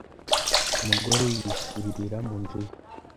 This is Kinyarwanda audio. Umugore yisubirira mu nzu ye.